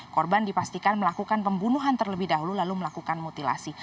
korban dipastikan melakukan pembunuhan terlebih dahulu lalu melakukan mutilasi